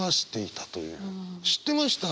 知ってました？